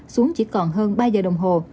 xuống chỉ còn hơn ba giờ đồng hồ